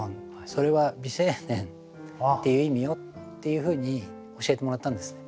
それは「美青年」っていう意味よっていうふうに教えてもらったんですね。